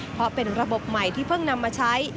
เพราะเป็นระบบใหม่ที่เพิ่งนำมาใช้